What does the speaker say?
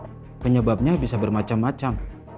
jadi penyebabnya bisa bermacam macam